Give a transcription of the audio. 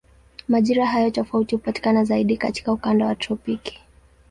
Majira hayo tofauti hupatikana zaidi katika ukanda wa tropiki.